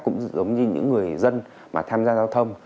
cũng giống như những người dân mà tham gia giao thông